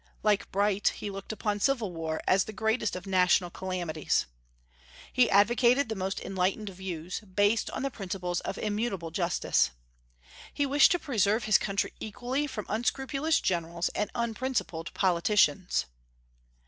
Like Bright, he looked upon civil war as the greatest of national calamities. He advocated the most enlightened views, based on the principles of immutable justice. He wished to preserve his country equally from unscrupulous generals and unprincipled politicians.